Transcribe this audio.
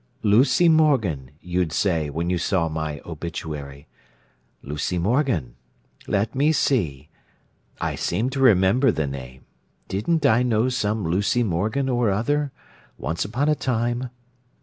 "Lucy Morgan," you'd say, when you saw my obituary. "Lucy Morgan? Let me see: I seem to remember the name. Didn't I know some Lucy Morgan or other, once upon a time?"